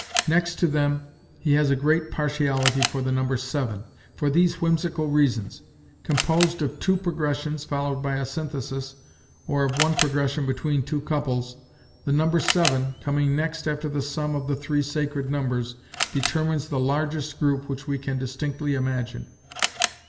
Next to them, he has a great partiality for the number seven; for these whimsical reasons: "Composed of two progressions followed by a synthesis, or of one progression between two couples, the number seven, coming next after the sum of the three sacred numbers, determines the largest group which we can distinctly imagine.